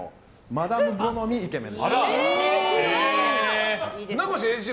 マダム好みイケメン？